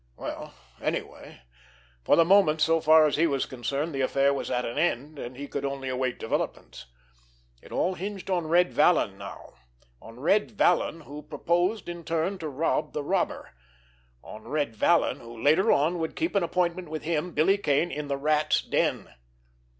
Well, anyway, for the moment so far as he was concerned, the affair was at an end, and he could only await developments. It all hinged on Red Vallon now—on Red Vallon, who proposed in turn to rob the robber—on Red Vallon, who, later on, would keep an appointment with him, Billy Kane, in the Rat's den!